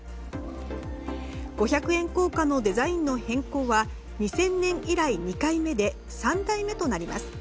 五百円硬貨のデザインの変更は２０００年以来２回目で３回目となります。